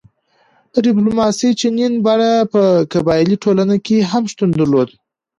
د ډیپلوماسي جنین بڼه په قبایلي ټولنه کې هم شتون درلود